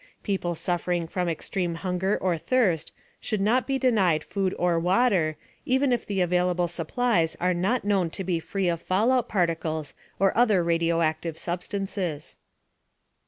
People suffering from extreme hunger or thirst should not be denied food or water, even if the available supplies are not known to be free of fallout particles or other radioactive substances.